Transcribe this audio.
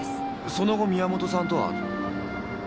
その後宮本さんとは？